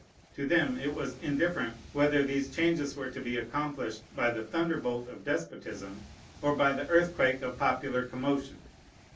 To them it was indifferent whether these changes were to be accomplished by the thunderbolt of despotism or by the earthquake of popular commotion.